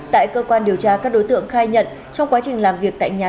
tại cơ quan điều tra các đối tượng khai nhận trong quá trình làm việc tại nhà